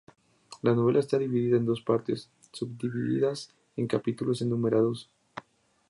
La novela está dividida en dos partes, subdivididas en capítulos enumerados.